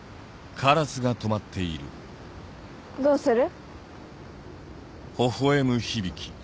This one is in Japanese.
どうする？